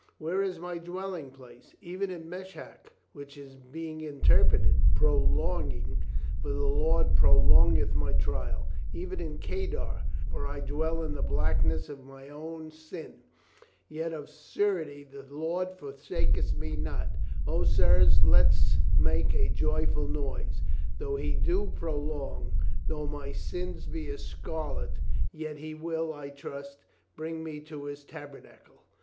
Where is my dwelling place? Even in Meshec, which is be ing interpreted, 'Prolonging,' for the Lord prolong eth my trial. Even in Kedar, which signifieth 'Blackness,' for I dwell in the blackness of my own 398 COLONEL STOW IS READY 399 sin. Yet of a surety the Lord forsaketh me not. O, sirs, let's make a joyful noise! Though He do prolong, though my sins be as scarlet, yet He will, I trust, bring me to His tabernacle.